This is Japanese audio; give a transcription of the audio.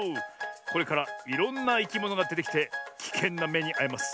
これからいろんないきものがでてきてきけんなめにあいます。